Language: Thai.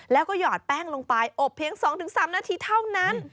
แล้วก็หยอดแป้งลงไปอบเพียง๒๓นาทีเท่านั้น